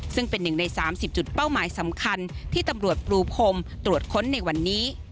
ซึ่งเป็นหนึ่งใน๓๐จุดเป้าหมายสำคัญที่ตำรวจปรูพรมตรวจค้นในวันนี้